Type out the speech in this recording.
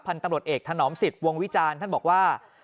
ตำรวจเอกถนอมสิทธิ์วงวิจารณ์ท่านบอกว่า